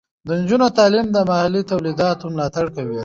د نجونو تعلیم د محلي تولیداتو ملاتړ کوي.